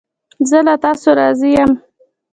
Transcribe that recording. زه له تاسو راضی یم